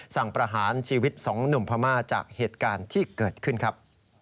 ประหารชีวิตสองหนุ่มพม่าจากเหตุการณ์ที่เกิดขึ้นครับ